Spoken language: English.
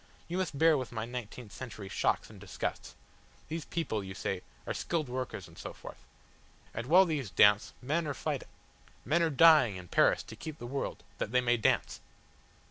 You must bear with my nineteenth century shocks and disgusts. These people, you say, are skilled workers and so forth. And while these dance, men are fighting men are dying in Paris to keep the world that they may dance."